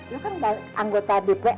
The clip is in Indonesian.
lu kan anggota depok